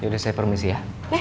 yaudah saya permisi ya